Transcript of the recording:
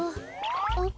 あっ？